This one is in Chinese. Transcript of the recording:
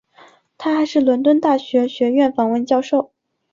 他还是伦敦大学学院访问教授。